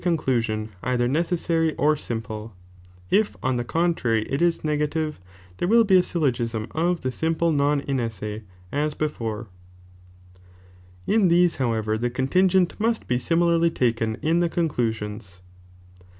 conclu an either necessary or simple, it' on the contrary it is nega ttre, there wiU be a syllogtsm of the simple non inesse as be G»e ; in these however the coDtingent must be similarly taken ID die oMKilusiona.